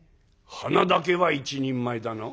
「鼻だけは一人前だな」。